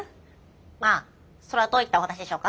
まあそれはどういったお話でしょうか？